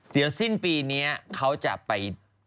เดี๋ยวสิ้นปีนี้เขาจะไป